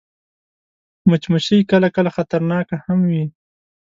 مچمچۍ کله کله خطرناکه هم وي